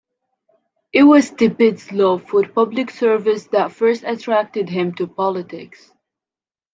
It was Tibbetts' love for public service that first attracted him to politics.